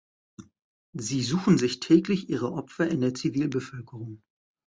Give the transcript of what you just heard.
Sie suchen sich täglich ihre Opfer in der Zivilbevölkerung.